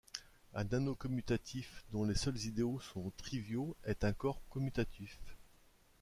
Un anneau commutatif dont les seuls idéaux sont triviaux est un corps commutatif.